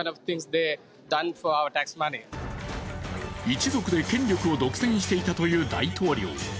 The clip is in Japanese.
一族で権力を独占していたという大統領。